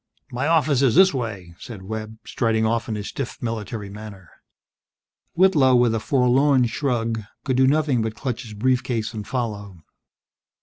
"My office is this way," said Webb, striding off in a stiff military manner. Whitlow, with a forlorn shrug, could do nothing but clutch his brief case and follow.